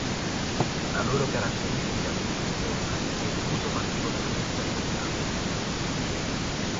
La loro caratteristica più vistosa è il muso particolarmente allungato.